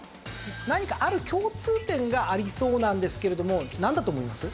何かある共通点がありそうなんですけれどもなんだと思います？